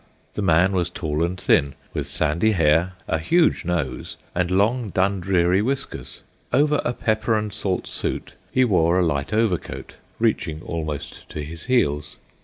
The man was tall and thin, with sandy hair, a huge nose, and long Dundreary whiskers. Over a pepper and salt suit he wore a light overcoat, reaching almost to his heels.